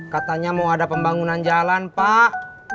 katanya mau ada pembangunan jalan pak